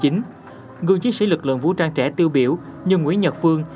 ngư chiếc sĩ lực lượng vũ trang trẻ tiêu biểu nhân nguyễn nhật phương